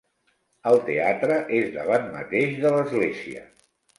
El teatre és davant mateix de l'església.